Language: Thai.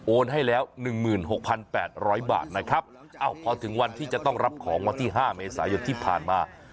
โอนให้แล้วหนึ่งหมื่นหกพันแปดร้อยบาทนะครับอ้าวพอถึงวันที่จะต้องรับของวันที่ห้าเมษายกที่ผ่านมา